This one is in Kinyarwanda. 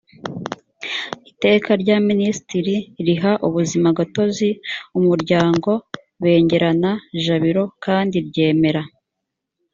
iteka rya minisitiri riha ubuzimagatozi umuryango bengerana jabiro kandi ryemera